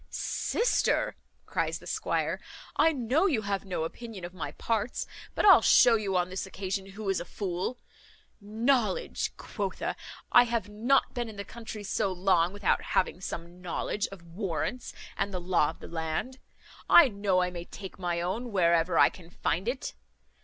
"Sister," cries the squire, "I know you have no opinion of my parts; but I'll shew you on this occasion who is a fool. Knowledge, quotha! I have not been in the country so long without having some knowledge of warrants and the law of the land. I know I may take my own wherever I can find it.